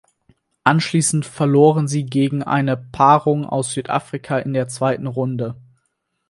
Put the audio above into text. Anschließend verloren sie gegen eine Paarung aus Südafrika in der zweiten Runde.